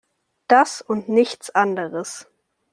Das und nichts anderes!